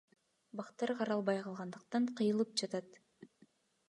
Бактар каралбай калгандыктан кыйылып жатат.